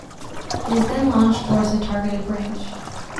It is then launched toward the targeted branch.